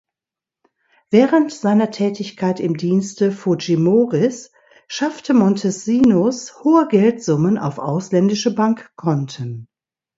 Während seiner Tätigkeit im Dienste Fujimoris schaffte Montesinos hohe Geldsummen auf ausländische Bankkonten.